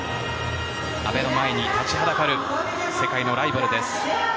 阿部の前に立ちはだかる世界のライバルです。